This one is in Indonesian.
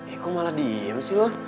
eh kok malah diem sih loh